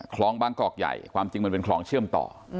คลองบางกอกใหญ่ความจริงมันเป็นคลองเชื่อมต่อ